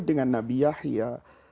dengan nabi yahya